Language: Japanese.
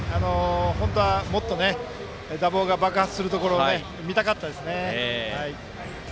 本当はもっと打棒が爆発するところが見たかったですね。